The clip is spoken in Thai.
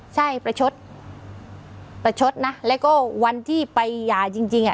ใช่ประชดประชดนะแล้วก็วันที่ไปหย่าจริงจริงอ่ะ